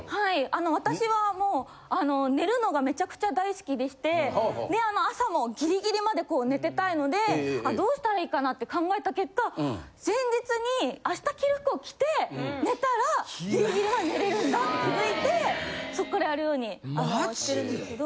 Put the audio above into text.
あの私はもう寝るのがめちゃくちゃ大好きでして朝もギリギリまで寝てたいのでどうしたらいいかなって考えた結果前日に明日着る服を着て寝たらギリギリまで寝れるんだって気づいてそっからやるようにしてるんですけど。